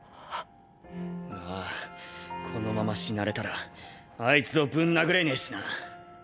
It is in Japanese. まぁこのまま死なれたらアイツをぶん殴れねぇしな。